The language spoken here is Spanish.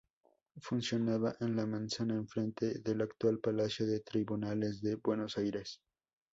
Funcionaba en la manzana enfrente del actual Palacio de Tribunales de Buenos Aires.